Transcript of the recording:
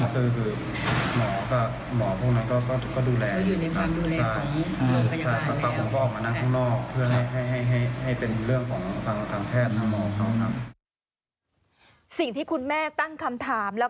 คือหมอกับหมอพวกนั้นก็ดูแล